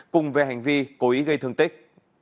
cùng về hành vi cố ý gây thương tích